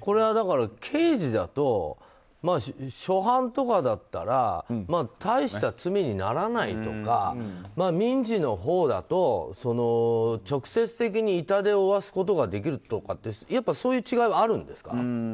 これはだから、刑事だと初犯とかだったら大した罪にならないとか民事のほうだと、直接的に痛手を負わすことができるとかやっぱそういう違いはあるんですか。